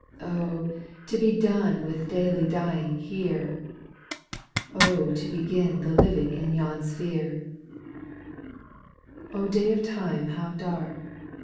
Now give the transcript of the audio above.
Oh, to be done with daily dying here ! Oh, to begin the the living in yon sphere I 5. O day of time, how dark